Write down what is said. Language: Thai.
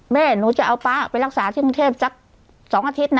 แม่หนูจะเอาป๊าไปรักษาที่กรุงเทพสัก๒อาทิตย์นะ